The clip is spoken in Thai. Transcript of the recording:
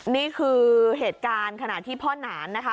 นี่คือเหตุการณ์ขณะที่พ่อหนานนะคะ